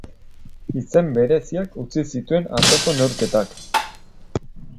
Izen bereziak utzi zituen atzoko neurketak.